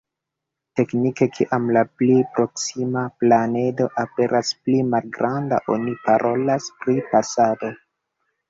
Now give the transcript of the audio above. Teknike, kiam la pli proksima planedo aperas pli malgranda oni parolas pri pasado.